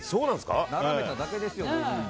並べただけですよ。